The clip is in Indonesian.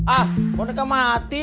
ah boneka mati